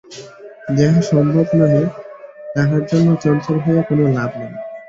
যাহা সম্ভব নহে, তাহার জন্য চঞ্চল হইয়া কোনো লাভ নাই।